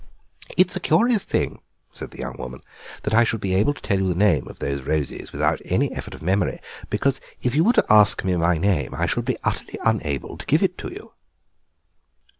"It is a curious thing," said the young woman, that, "I should be able to tell you the name of those roses without an effort of memory, because if you were to ask me my name I should be utterly unable to give it to you."